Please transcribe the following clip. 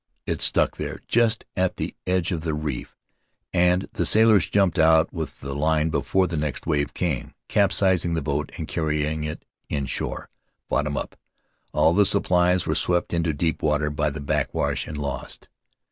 It stuck there, just at the edge of the reef, and the sailors jumped out with the line before the next wave came, capsizing the boat and carrying it inshore, bot tom up. All the supplies were swept into deep water by the backwash and lost.